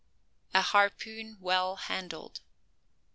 A HARPOON WELL HANDLED.